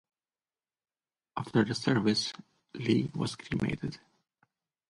After the service, Li was cremated.